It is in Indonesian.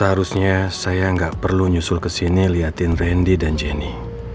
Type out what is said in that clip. seharusnya saya nggak perlu nyusul kesini liatin randy dan jenny